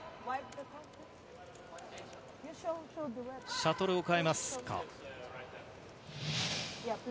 シャトルを変えますか。